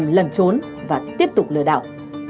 lần trốn và tiếp tục lừa đảo